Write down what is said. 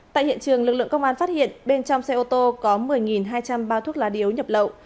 tại hiện trường lực lượng công an phát hiện bên trong xe ô tô có một mươi hai trăm linh bao thuốc lá điếu nhập lậu